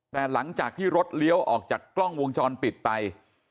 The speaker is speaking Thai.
แต่หลังจากที่รถเลี้ยวออกจากกล้องวงจรปิดไป